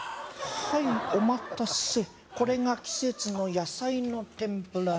はいお待たせこれが季節の野菜の天ぷらです